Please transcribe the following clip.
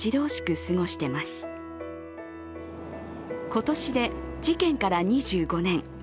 今年で事件から２５年。